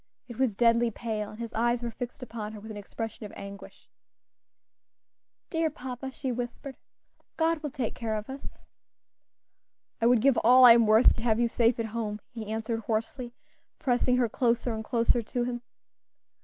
It was deadly pale, and his eyes were fixed upon her with an expression of anguish. "Dear papa," she whispered, "God will take care of us." "I would give all I am worth to have you safe at home," he answered hoarsely, pressing her closer and closer to him.